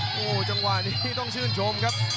โอ้โหจังหวะนี้ต้องชื่นชมครับ